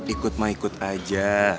ikut mah ikut aja